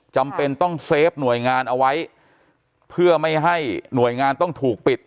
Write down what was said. จำเป็นต้องเซฟหน่วยงานเอาไว้เพื่อไม่ให้หน่วยงานต้องถูกปิด